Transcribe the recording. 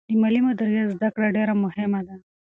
د مالي مدیریت زده کړه ډېره مهمه ده.